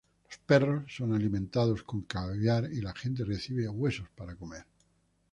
Los perros son alimentados con caviar y la gente recibe huesos para comer.